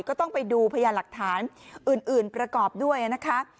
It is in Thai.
ก็ต้องไปดูพยานหลักฐานอื่นประกอบด้วยนะคะ